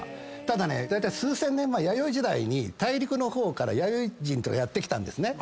ただねだいたい数千年前弥生時代に大陸の方から弥生人がやって来たんですね。